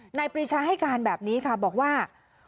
หนัยผิดชายให้การแบบนี้ค่ะบอกว่า